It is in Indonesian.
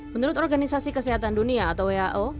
menurut organisasi kesehatan dunia atau who